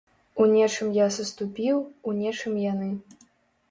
У нечым я саступіў, у нечым яны.